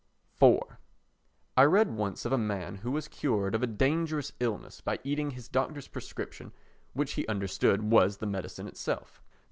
iv I read once of a man who was cured of a dangerous illness by eating his doctor's prescription which he understood was the medicine itself.